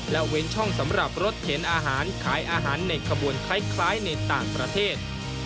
และเว้นช่องสำหรับรถเข็นอาหารขายอาหารในขบวนคล้ายในต่างประเทศ